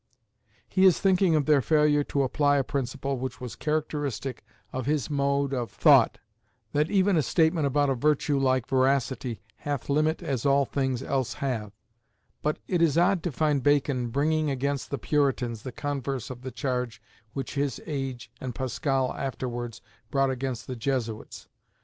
He is thinking of their failure to apply a principle which was characteristic of his mode of thought, that even a statement about a virtue like veracity "hath limit as all things else have;" but it is odd to find Bacon bringing against the Puritans the converse of the charge which his age, and Pascal afterwards, brought against the Jesuits.